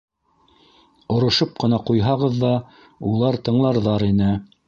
Орошоп ҡына ҡуйһағыҙ ҙа, улар тыңларҙар ине...